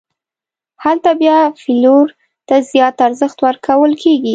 هلته بیا فلېور ته زیات ارزښت ورکول کېږي.